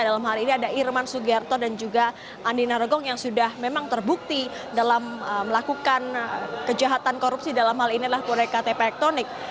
dalam hal ini ada irman sugiharto dan juga andi narogong yang sudah memang terbukti dalam melakukan kejahatan korupsi dalam hal ini adalah proyek ktp elektronik